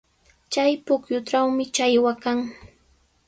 Chay pukyutrawmi challwa kan.